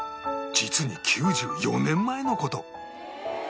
実に９４年前の事